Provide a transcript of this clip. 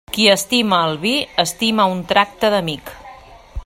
Qui estima el vi estima un tracte d'amic.